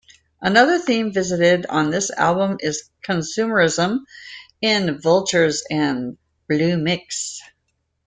Another theme visited on this album is consumerism in "Vultures" and "Blue Mix".